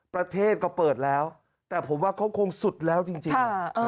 ประเทศก็เปิดแล้วแต่ผมว่าเขาคงสุดแล้วจริง